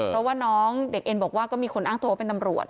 เพราะว่าน้องเด็กเอ็นบอกว่าก็มีคนอ้างตัวว่าเป็นตำรวจ